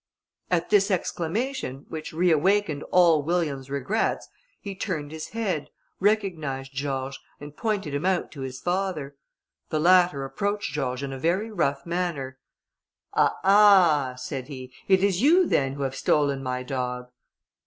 At this exclamation, which reawakened all William's regrets, he turned his head, recognised George, and pointed him out to his father. The latter approached George in a very rough manner. "Ah! ah!" said he, "it is you then who have stolen my dog?"